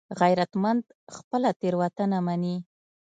غیرتمند خپله تېروتنه مني